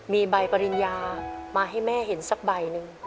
มีใบปริญญามาให้แม่เห็นสักใบหนึ่ง